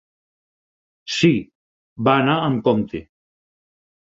Sí, va anar amb compte.